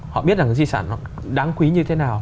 họ biết rằng cái di sản nó đáng quý như thế nào